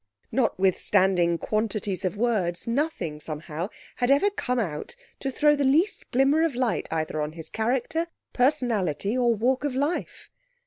Notwithstanding quantities of words, nothing, somehow, had ever come out to throw the least glimmer of light either on his character, personality, or walk of life.